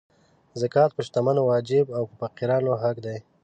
زکات په شتمنو واجب او په فقیرانو حق دی.